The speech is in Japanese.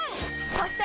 そして！